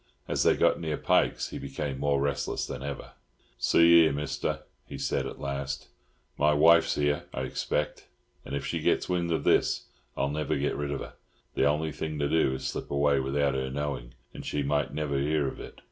As they got near Pike's, he became more restless than ever. "See here, Mister," he said at last, "my wife's here, I expect, and if she gets wind of this, I'll never get rid of her. The only thing to do is to slip away without her knowing, and she might never hear of it.